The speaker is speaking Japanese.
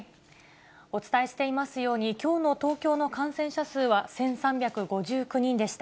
お伝えしていますように、きょうの東京の感染者数は１３５９人でした。